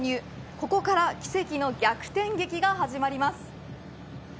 ここから、奇跡の逆転劇が始まります。